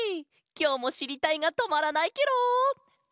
きょうもしりたいがとまらないケロ！